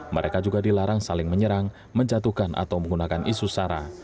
mereka juga dilarang saling menyerang menjatuhkan atau menggunakan isu sara